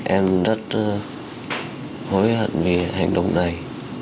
em rất hối hận vì hành động này